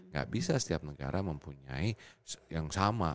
gak bisa setiap negara mempunyai yang sama